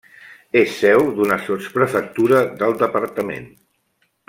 És seu d'una sotsprefectura del departament.